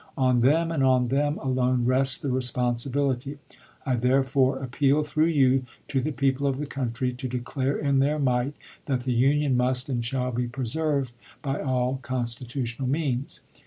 On them, and on them alone, rests the responsibility. .. I therefore appeal through you to the people of the country to declare in their might that the Union must and shall be preserved by all constitu BuChanan, tional means.